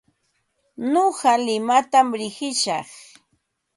Nuqa limatam riqishaq.